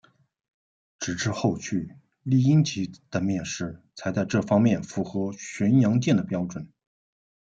直至后续丽蝇级的面世才在这方面符合巡洋舰的标准。